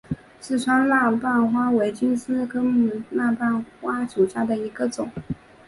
四川蜡瓣花为金缕梅科蜡瓣花属下的一个种。